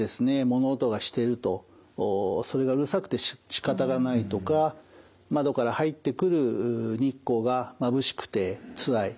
物音がしてるとそれがうるさくてしかたがないとか窓から入ってくる日光がまぶしくてつらい。